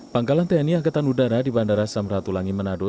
pangkalan tni angkatan udara di bandara samratulangi manado